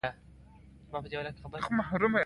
دا بې میوزیکه ترانې دي او خامخا باید واورېدل شي.